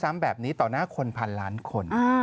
แบบนี้ต่อหน้าคนพันล้านคน